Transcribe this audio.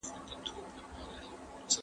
سياسي خپلواکي د ملي واکمنۍ بنسټ دی.